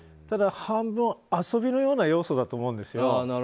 ただ半分、遊びのような要素だと思うんですよ。